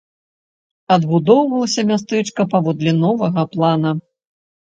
Адбудоўвалася мястэчка паводле новага плана.